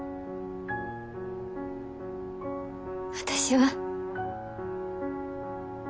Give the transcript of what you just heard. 私は。